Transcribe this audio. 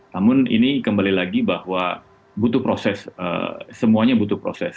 namun ini kembali lagi bahwa butuh proses semuanya butuh proses